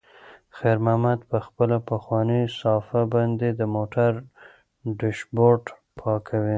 خیر محمد په خپله پخوانۍ صافه باندې د موټر ډشبورډ پاکوي.